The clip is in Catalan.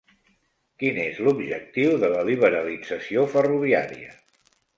Quin és l'objectiu de la liberalització ferroviària?